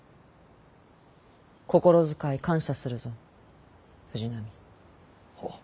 心遣い感謝するぞ藤波。